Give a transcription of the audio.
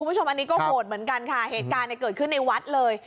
คุณผู้ชมอันนี้ก็โหดเหมือนกันค่ะเหตุการณ์เกิดขึ้นในวัดเลย